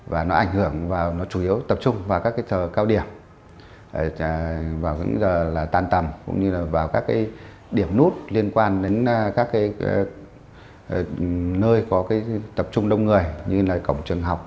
và nó ảnh hưởng và nó chủ yếu tập trung vào các cái thờ cao điểm vào những giờ là tan tầm cũng như là vào các điểm nút liên quan đến các cái nơi có cái tập trung đông người như là cổng trường học